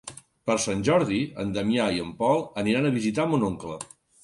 Per Sant Jordi en Damià i en Pol aniran a visitar mon oncle.